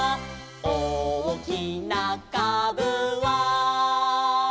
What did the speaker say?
「おおきなかぶは」